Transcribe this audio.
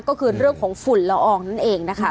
ก็คือเรื่องของฝุ่นละอองนั่นเองนะคะ